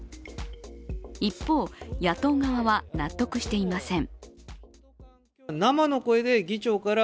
一方、野党側は納得していません。